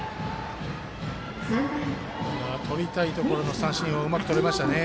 とりたいところの三振をうまくとれましたね。